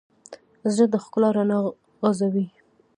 زړه د ښکلا رڼا غځوي.